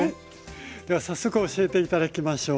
では早速教えて頂きましょう。